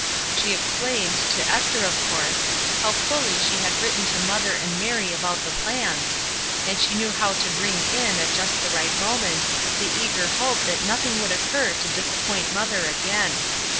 She explained, to Esther of course, how fully she had written to mother and Mary about the plans, and she knew how to bring in at just the right moment the eager hope that nothing would occur to disappoint mother again.